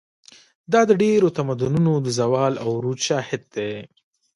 دا د ډېرو تمدنونو د زوال او عروج شاهد دی.